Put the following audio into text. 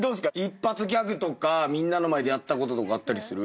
一発ギャグとかみんなの前でやったこととかあったりする？